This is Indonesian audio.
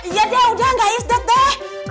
ya deh udah gak isdat deh